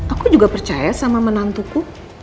aku juga percaya sama menantuku